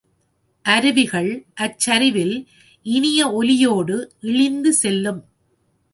அருவிகள் அச்சரிவில் இனிய ஒலியோடு இழிந்து செல்லும்.